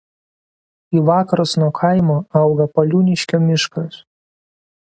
Į vakarus nuo kaimo auga Paliūniškio miškas.